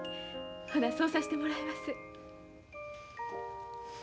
ほなそうさしてもらいます。